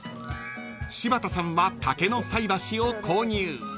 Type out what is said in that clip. ［柴田さんは竹の菜箸を購入］